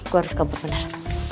gue harus kabur benar